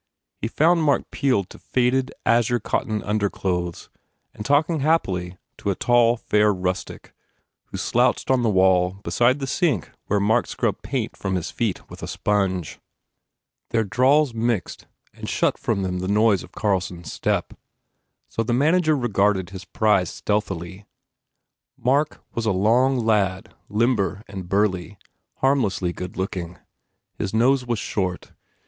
He found Mark peeled to faded, azure cotton underclothes and talking happily to a tall, fair rustic who slouched on the wall beside the sink where Mark scrubbed paint from his feet with a sponge. Their drawls mixed and shut from them the noise of Carlson s step, so the manager regarded his prize stealthily. Mark was a long lad, limber and burly, harm lessly good looking. His nose was short.